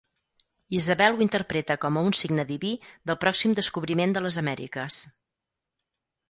Isabel ho interpreta com a un signe diví del pròxim descobriment de les Amèriques.